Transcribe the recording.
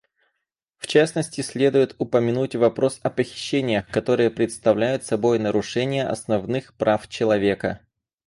В частности, следует упомянуть вопрос о похищениях, которые представляют собой нарушения основных прав человека.